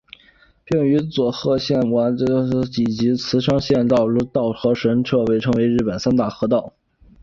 并与佐贺县佑德稻荷神社以及茨城县笠间稻荷神社并称日本三大稻荷。